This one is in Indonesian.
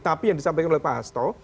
tapi yang disampaikan oleh pak hasto